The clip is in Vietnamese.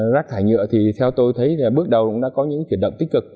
rác thải nhựa thì theo tôi thấy bước đầu cũng đã có những kế hoạch tích cực